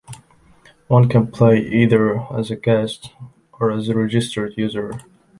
One can play either as a guest or as a registered user.